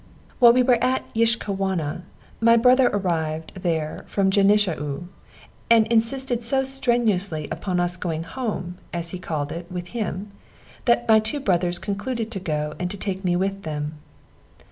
While we were at Yiskahwana, my brother arrived there from Genishau, and insisted so strenuously upon our going home (as he called it) with him, that my two brothers concluded to go, and to take me with them.